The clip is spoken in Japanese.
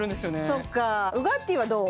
そっかーウガッティーはどう？